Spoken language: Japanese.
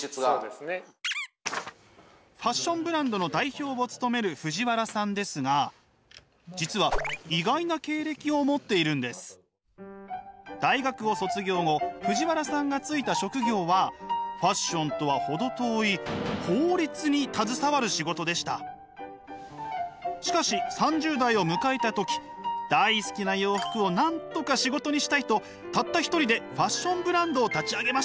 ファッションブランドの代表を務める藤原さんですが実は大学を卒業後藤原さんが就いた職業はファッションとは程遠いしかし３０代を迎えた時大好きな洋服をなんとか仕事にしたいとたった一人でファッションブランドを立ち上げました。